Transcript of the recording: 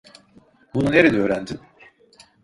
Bunu nerede öğrendin?